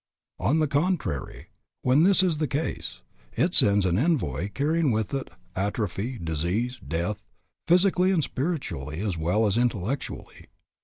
On the contrary, when this is the case, it sends an envoy carrying with it atrophy, disease, death, physically and spiritually as well as intellectually.